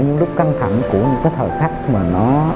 những lúc căng thẳng của những cái thời khắc mà nó